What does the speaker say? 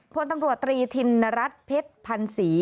พลตำรวจตรีธินรัฐเพชรพันศรี